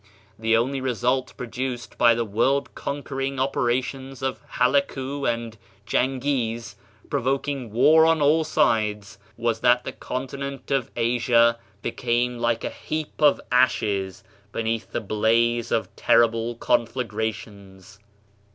The only result produced by the world conquering operations of Halakoo and Djangiz, provoking war on all sides, was that the continent of Asia became like a heap of ashes beneath the blaze of terrible conflagra tions.